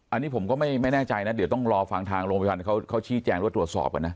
อันนี้ผมก็ไม่แน่ใจนะเดี๋ยวต้องรอฟังทางโรงพยาบาลเขาชี้แจงหรือว่าตรวจสอบก่อนนะ